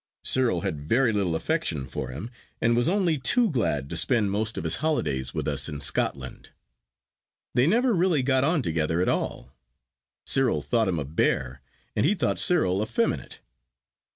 Cyril had very little affection for him, and was only too glad to spend most of his holidays with us in Scotland. They never really got on together at all. Cyril thought him a bear, and he thought Cyril effeminate.